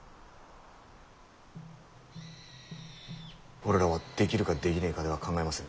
俺らはできるかできねえかでは考えませぬ。